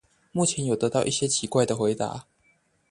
目前有得到一些奇怪的回答